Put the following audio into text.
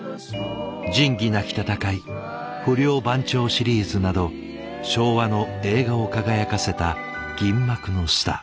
「仁義なき戦い」「不良番長」シリーズなど昭和の映画を輝かせた銀幕のスター。